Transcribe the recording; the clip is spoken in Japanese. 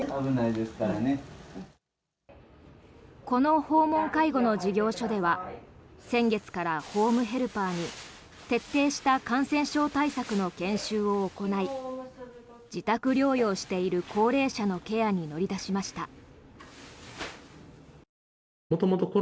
この訪問介護の事業所では先月からホームヘルパーに徹底した感染症対策の研修を行い自宅療養している高齢者のケアに乗り出しました。